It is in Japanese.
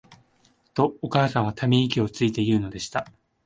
と、お母さんは溜息をついて言うのでした。